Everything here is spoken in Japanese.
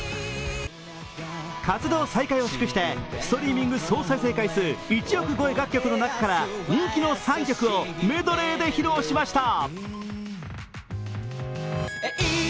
活動再開を祝してストリーミング総再生回数１億超え楽曲の中から人気の３曲をメドレーで披露しました。